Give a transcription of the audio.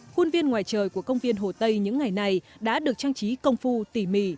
khuôn viên ngoài trời của công viên hồ tây những ngày này đã được trang trí công phu tỉ mỉ